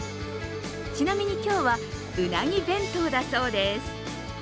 ちなみに今日はうなぎ弁当だそうです。